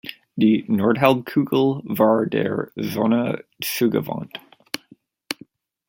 Die Nordhalbkugel war der Sonne zugewandt.